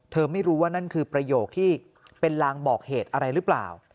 ไม่รู้ว่านั่นคือประโยคที่เป็นลางบอกเหตุอะไรหรือเปล่า